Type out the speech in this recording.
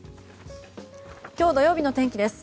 今日、土曜日の天気です。